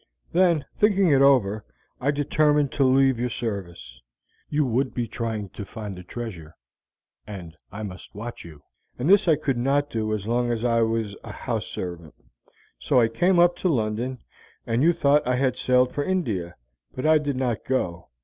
"Then, thinking it over, I determined to leave your service. You would be trying to find the treasure, and I must watch you, and this I could not do as long as I was a house servant; so I came up to London, and you thought I had sailed for India, but I did not go.